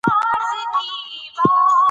سردار ایوب خان به لښکر رهبري کوي.